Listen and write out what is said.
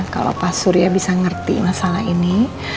kalau pak surya bisa ngerti masalah ini